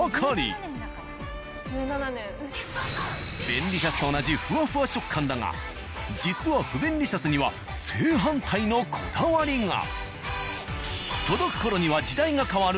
便利シャスと同じフワフワ食感だが実は不便利シャスには正反対のこだわりが！